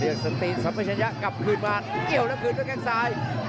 เรียกสตีนสัมพชัญญะกลับคืนมาเกี่ยวแล้วคืนกับแก้งซ้าย